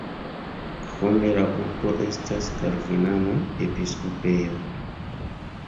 Krome la urbo estas kalvinana episkopejo.